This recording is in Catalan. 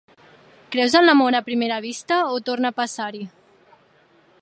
Creus en l'amor a primera vista o torne a passar-hi?